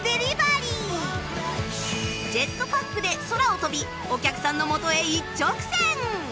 ジェットパックで空を飛びお客さんのもとへ一直線！